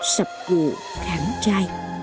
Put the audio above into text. sập gụ khẳng trai